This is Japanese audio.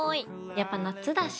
やっぱ夏だし。